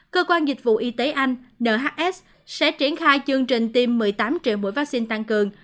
cơ quan dịch vụ y tế anh nhs sẽ triển khai chương trình tiêm một mươi tám triệu mũi vaccine tăng cường